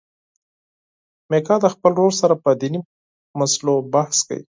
میکا د خپل ورور سره په دیني مسلو بحث کوي.